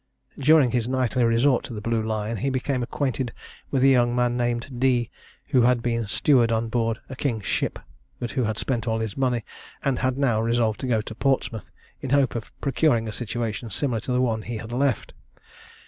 During his nightly resort to the Blue Lion he became acquainted with a young man named D , who had been steward on board a king's ship, but who had spent all his money, and had now resolved to go to Portsmouth, in the hope of procuring a situation similar to the one he had left.